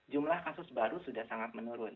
jumlah kasus baru sudah sangat menurun